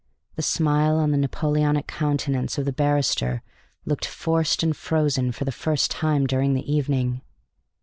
The smile on the Napoleonic countenance of the barrister looked forced and frozen for the first time during the evening.